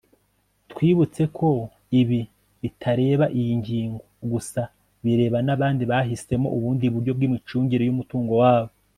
twibutse ko ibi bitareba iyi ngingo gusa bireba n'abandi bahisemo ubundi buryo bw'imicungire y'umutungo wabo